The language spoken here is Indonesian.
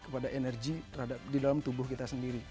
jadi itu akan memberikan lebih banyak energi di dalam tubuh kita sendiri